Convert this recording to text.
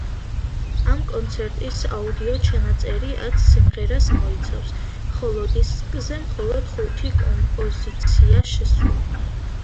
ამ კონცერტის აუდიო ჩანაწერი ათ სიმღერას მოიცავს, ხოლო დისკზე მხოლოდ ხუთი კომპოზიციაა შესული.